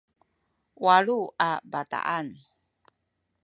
walu a bataan